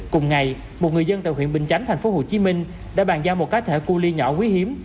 cùng ngày một người dân tại huyện bình chánh thành phố hồ chí minh đã bàn giao một cá thể cu ly nhỏ quý hiếm